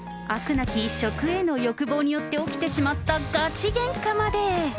なき食への欲望によって起きてしまったガチげんかまで。